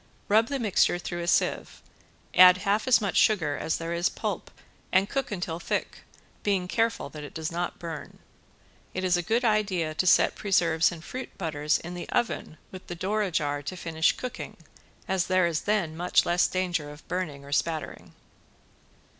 Rub the mixture through a sieve, add half as much sugar as there is pulp and cook until thick, being careful that it does not burn. It is a good idea to set preserves and fruit butters in the oven with the door ajar to finish cooking as there is then much less danger of burning or spattering.